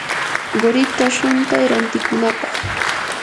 qurita shuntay rantikunapaq.